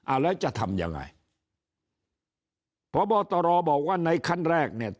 เอาแล้วจะทำยังไงพบตรบอกว่าในขั้นแรกเนี่ย